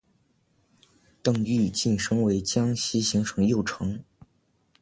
邓愈晋升为江西行省右丞。